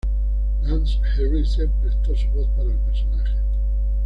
Lance Henriksen prestó su voz para el personaje.